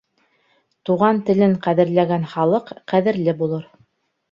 Туған телен ҡәҙерләгән халыҡ ҡәҙерле булыр.